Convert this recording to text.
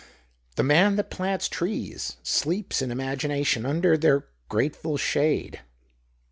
The man that plants trees sleeps in imagina tion under their Q rateful shade."